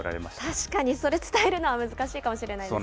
確かにそれ伝えるのは難しいかもしれないですね。